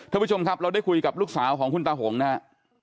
ท่านผู้ชมครับเราได้คุยกับลูกสาวของคุณตาหงนะครับ